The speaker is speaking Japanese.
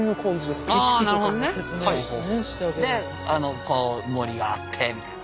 であのこう森があってみたいな。